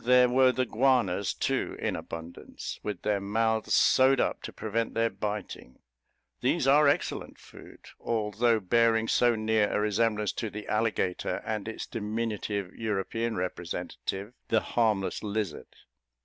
There were the guanas, too, in abundance, with their mouths sewed up to prevent their biting; these are excellent food, although bearing so near a resemblance to the alligator, and its diminutive European representative, the harmless lizard.